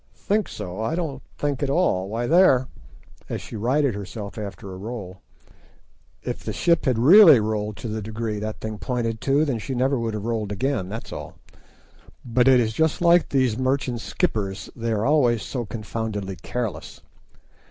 "Think so. I don't think at all. Why there"—as she righted herself after a roll—"if the ship had really rolled to the degree that thing pointed to, then she would never have rolled again, that's all. But it is just like these merchant skippers, they are always so confoundedly careless."